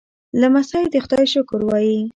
لمسی د خدای شکر وايي.